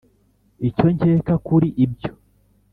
icyo nkeka kuli ibyo